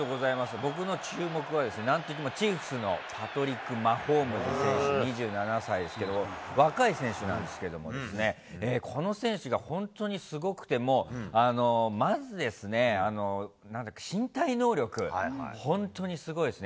僕の注目は、なんといってもチーフスのパトリック・マホームズ選手２７歳ですけど、若い選手なんですけどもですね、この選手が本当にすごくて、もう、まずですね、身体能力、本当にすごいっすね。